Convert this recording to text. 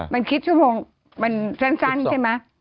มันคิดชั่วโมงมันสั้นใช่ไหม